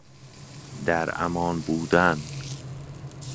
در امان بودن